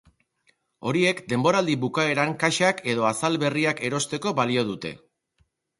Horiek denboraldi bukaeran kaxak edo azal berriak erosteko balio dute.